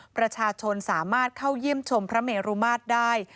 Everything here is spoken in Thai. ประชาชนสามารถเข้าเยี่ยมชมพระเมรุมาตรได้